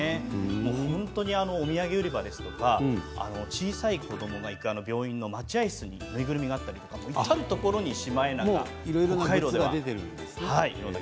本当にお土産売り場とか小さい子どもがいた病院の待合室に縫いぐるみがあったり至る所にシマエナガが北海道ではいるんです。